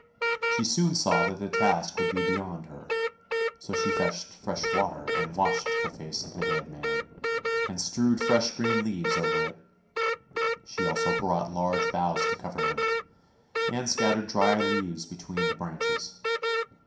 She soon saw that the task would be beyond her, so she fetched fresh water and washed the face of the dead man, and strewed fresh green leaves over it. She also brought large boughs to cover him, and scattered dried leaves between the branches.